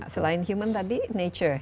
selain human tadi nature